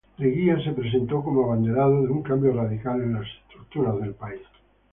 Leguía se presentó como abanderado de un cambio radical en las estructuras del país.